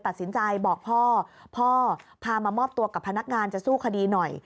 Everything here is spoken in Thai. ตัดสินใจบอกพ่อพ่อพามามอบตัวกับพนักงานจะสู้คดีหน่อย